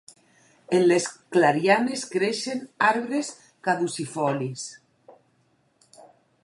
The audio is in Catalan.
En les clarianes creixen arbres caducifolis.